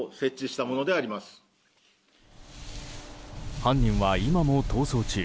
犯人は今も逃走中。